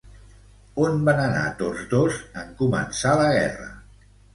On van anar tots dos en començar la guerra?